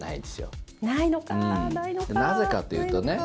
なぜかというとね